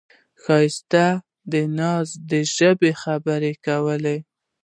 ښایست د ناز د ژبې خبرې کوي